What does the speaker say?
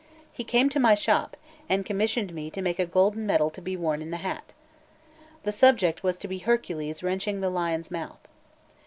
He came to my shop, and commissioned me to make a golden medal to be worn in the hat. The subject was to be Hercules wrenching the lion's mouth.